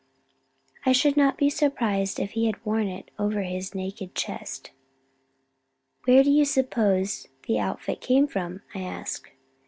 I should not be surprised if he had worn it over his naked chest." "Where do you suppose the outfit came from?" I asked.